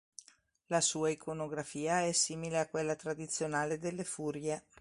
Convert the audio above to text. La sua iconografia è simile a quella tradizionale delle Furie.